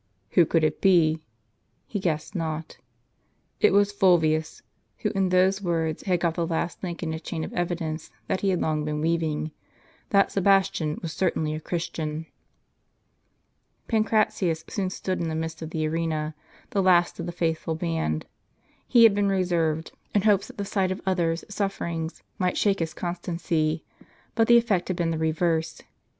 Who could it be? He guessed not. It was Fulvius, who in those words had got the last link in a chain of evidence that he had long been weaving — that Sebastian was certainly a Christian. Pancratius soon stood in the midst of the arena, the last * See the Acts of St. Felicitas aud her seven sons, Ruinart, vol. i. p. 55. of the faithful band. He had been reserved, in hopes that the sight of others' sufferings might shake his constancy ; but the effect had been the reverse.